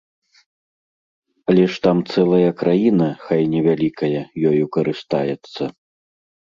Але ж там цэлая краіна, хай невялікая, ёю карыстаецца.